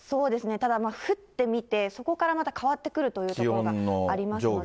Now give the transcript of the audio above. ただ降ってみて、そこからまた変わってくるというところがありますので。